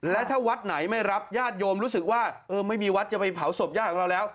และถ้าวัดไหนไม่รับญาติโยมรู้สึกว่าเออไม่มีวัดจะไปเผาศพญาติของเราแล้ว